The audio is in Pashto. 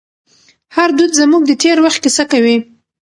هر دود زموږ د تېر وخت کیسه کوي.